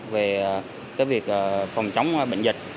về cái việc phòng chống bệnh dịch